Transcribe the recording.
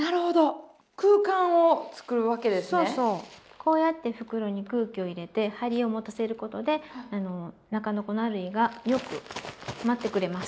こうやって袋に空気を入れて張りを持たせることで中の粉類がよく舞ってくれます。